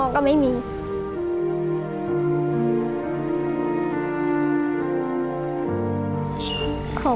ก็ไม่มีกินข้าว